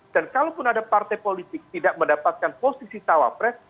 dan kalaupun ada partai politik tidak mendapatkan posisi tawapres